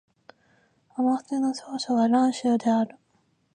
甘粛省の省都は蘭州である